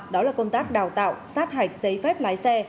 đó là công tác đào tạo sát hạch giấy phép lái xe